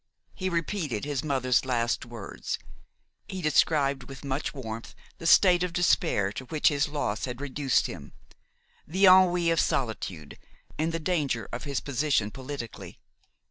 He repeated his mother's last words; he described with much warmth the state of despair to which his loss had reduced him, the ennui of solitude and the danger of his position politically.